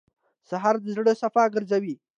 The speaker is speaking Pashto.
سهار د زړه صفا ګرځوي.